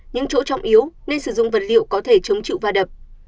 những chỗ trọng yếu nên sử dụng vật liệu có thể chống chịu va đập